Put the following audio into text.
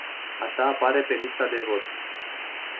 Așa apare pe lista de vot.